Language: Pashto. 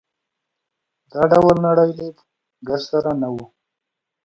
دا ډول نړۍ لید ګرد سره نه وو.